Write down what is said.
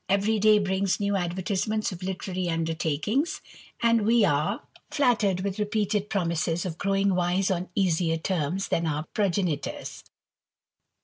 Every day brings new advertisements of literary undertakings, and we are 33© THE IDLER. flattered with repeated promises of growing wise on easier terms than our progenitors.